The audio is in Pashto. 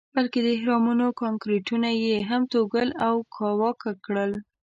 بلکې د اهرامونو کانکریټونه یې هم توږل او کاواکه کړل.